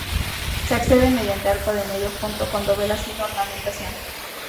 Se accede mediante arco de medio punto con dovelas sin ornamentación.